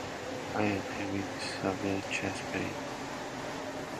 I am having severe chest pains.